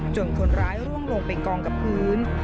คนร้ายร่วงลงไปกองกับพื้น